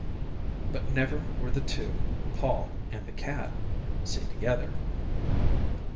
But never were the two, Pol and the cat, seen together.